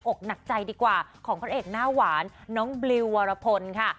อกหนักใจดีกว่าของพระเอกหน้าหวานน้องบลิววรพลค่ะ